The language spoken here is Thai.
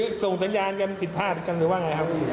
คือตรงตัวยายมันผิดพลาดกันหรือว่าไงครับ